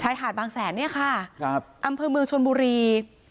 หาดบางแสนเนี่ยค่ะครับอำเภอเมืองชนบุรี